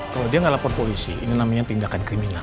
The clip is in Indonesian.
kalau dia nggak lapor polisi ini namanya tindakan kriminal